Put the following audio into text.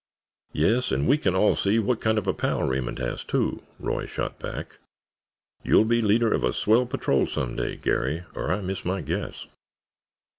"Yes, and we can all see what kind of a pal Raymond has, too," Roy shot back. "You'll be leader of a swell patrol some day, Garry, or I miss my guess."